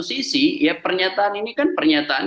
sisi ya pernyataan ini kan pernyataan